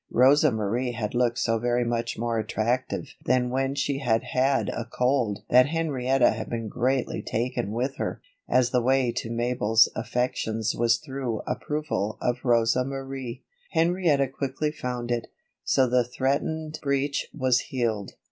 Rosa Marie had looked so very much more attractive than when she had had a cold that Henrietta had been greatly taken with her. As the way to Mabel's affections was through approval of Rosa Marie, Henrietta quickly found it, so the threatened breach was healed.